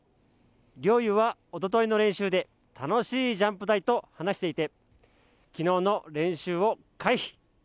陵侑はおとといの練習で楽しいジャンプ台と話していて昨日の練習を回避。